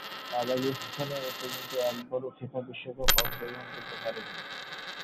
Tajikistan এপর্যন্ত একবারও FIFA বিশ্বকাপে অংশগ্রহণ করতে পারেনি।